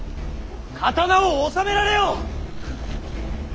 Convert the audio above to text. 刀を収められよ！